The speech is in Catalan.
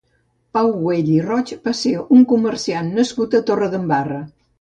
Pau Güell i Roig va ser un comerciant nascut a Torredembarra.